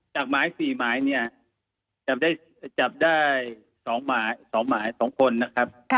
จากหมาย๔หมายเนี่ยจับได้๒หมาย๒คนนะครับ